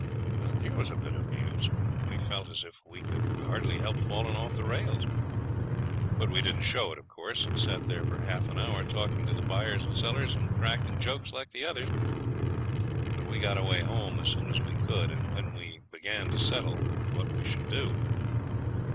Here was a bit of news! We felt as if we could hardly help falling off the rails; but we didn't show it, of course, and sat there for half an hour, talking to the buyers and sellers and cracking jokes like the others. But we got away home as soon as we could, and then we began to settle what we should do.